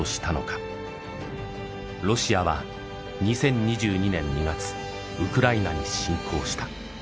ロシアは２０２２年２月ウクライナに侵攻した。